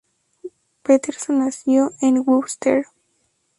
Peterson nació en Wooster.